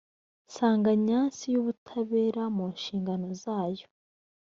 nsanganyasi y ubutabera mu nshingano zayo